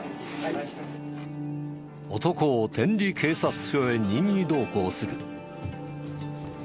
男を天理警察署へ任意同行する。